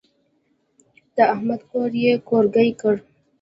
د احمد کور يې کورګی کړ.